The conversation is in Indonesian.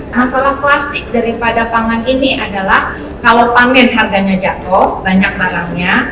masalah klasik daripada pangan ini adalah kalau panen harganya jatuh banyak barangnya